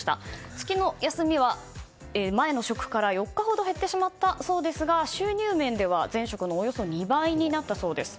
月の休みは前の職から４日ほど減ってしまったそうですが収入面では前職のおよそ２倍になったそうです。